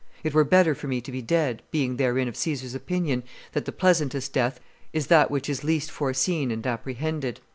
It were better for me to be dead, being therein of Caesar's opinion that the pleasantest death is that which is least foreseen and apprehended."